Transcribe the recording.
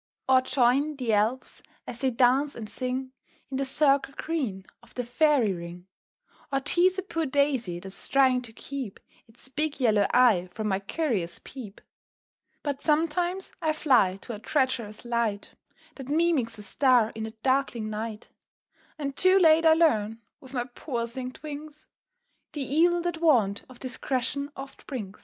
_"] Or join the Elves as they dance and sing In the circle green of the fairy ring, Or tease a poor Daisy that's trying to keep Its big yellow eye from my curious peep. [Illustration: "Want of discretion."] But sometimes I fly to a treacherous light, That mimics a star in a darkling night; And too late I learn, with my poor singed wings, The evil that want of discretion oft brings.